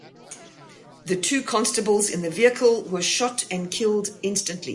The two constables in the vehicle were shot and killed instantly.